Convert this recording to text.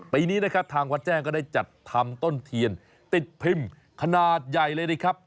ปีนี้นะครับทางวัดแจ้งก็ได้จัดทำต้นเทียนติดพิมพ์ขนาดใหญ่เลยนะครับ